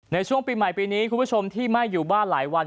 ในช่วงปีใหม่ปีนี้คุณผู้ชมที่ไม่อยู่บ้านหลายวัน